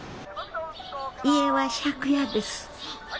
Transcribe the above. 家は借家です。